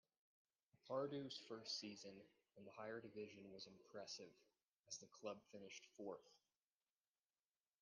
Pardew's first season in the higher division was impressive, as the club finished fourth.